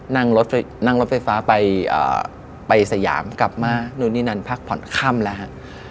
นั่งรถนั่งรถไฟฟ้าไปสยามกลับมานู่นนี่นั่นพักผ่อนค่ำแล้วฮะ